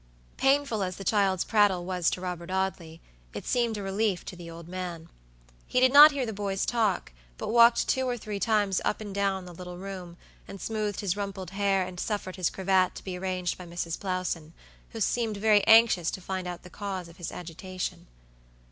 Painful as the child's prattle was to Robert Audley, it seemed a relief to the old man. He did not hear the boy's talk, but walked two or three times up and down the little room and smoothed his rumpled hair and suffered his cravat to be arranged by Mrs. Plowson, who seemed very anxious to find out the cause of his agitation.